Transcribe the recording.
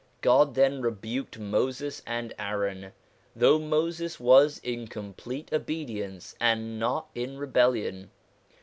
God then rebuked Moses and Aaron, though Moses was in complete obedience and not in rebellion.